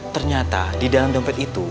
ternyata di dalam dompet itu